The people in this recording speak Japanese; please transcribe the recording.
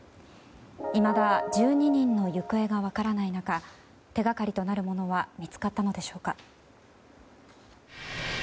いまだ１２人の行方が分からない中手掛かりとなるものは見つかったのでしょうか。